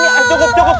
cukup cukup cukup